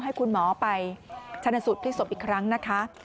ให้คุณหมอไปชันสุทธิ์ที่สบอีกครั้งนะคะ